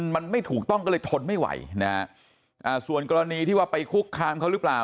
มันไม่ถูกต้องก็เลยทนไม่ไหวนะฮะอ่าส่วนกรณีที่ว่าไปคุกคามเขาหรือเปล่า